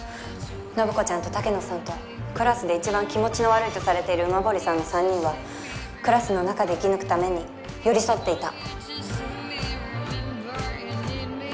信子ちゃんと竹野さんとクラスで一番気持ち悪いとされている馬堀さんの三人はクラスの中で生き抜くために寄り添っていた。